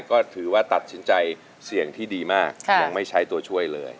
ก็ถือว่าตัดสินใจเสี่ยงที่ดีมากยังไม่ใช้ตัวช่วยเลย